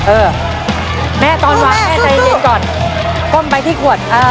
เออแม่ตอนวางแม่ใจเย็นใจเย็นก่อนคมไปที่ขวดเอ่อ